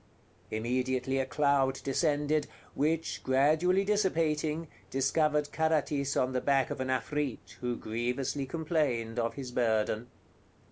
Immediately a cloud descended, which, gradually dissipating, discovered Carathis on the back of an Afrit, who grievously complained of his burden.